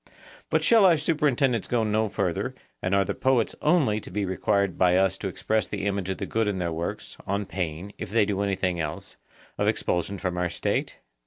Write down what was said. But shall our superintendence go no further, and are the poets only to be required by us to express the image of the good in their works, on pain, if they do anything else, of expulsion from our State?